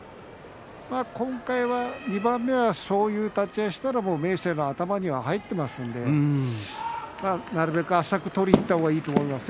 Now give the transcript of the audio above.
２番目はそういう立ち合いをしたら明生の頭には入っていますのでなるべくが早く取りに行った方がいいと思いますね